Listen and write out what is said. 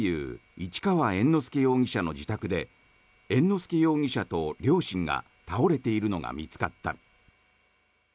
市川猿之助容疑者の自宅で猿之助容疑者と両親が倒れているのが見つかった。